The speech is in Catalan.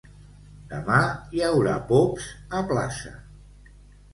Demà hi haurà pops a plaça.